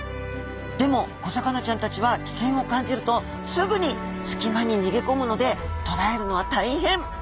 でも小魚ちゃんたちは危険を感じるとすぐに隙間に逃げ込むので捕らえるのは大変。